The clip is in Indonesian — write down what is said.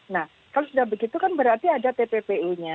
nah kalau sudah begitu kan berarti ada tppu nya